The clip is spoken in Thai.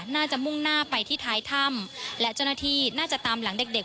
มุ่งหน้าไปที่ท้ายถ้ำและเจ้าหน้าที่น่าจะตามหลังเด็กเด็ก